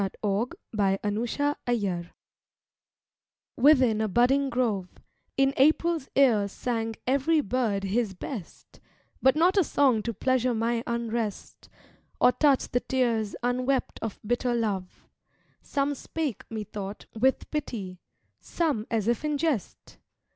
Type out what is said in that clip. THE LOVER AND BIRDS Within a budding grove, In April's ear sang every bird his best, But not a song to pleasure my unrest, Or touch the tears unwept of bitter love; Some spake, methought, with pity, some as if in jest.